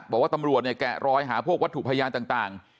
บอกว่าตำรวจเนี่ยแกะรอยหาพวกวัตถุพยานต่าง